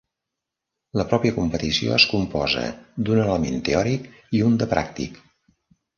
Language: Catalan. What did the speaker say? La pròpia competició es composa d'un element teòric i un de pràctic.